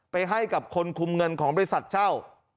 ให้กับคนคุมเงินของบริษัทเช่า